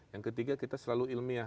yang ketiga kita selalu ilmiah